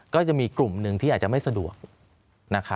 ก็จะมีกลุ่มหนึ่งที่อาจจะไม่สะดวก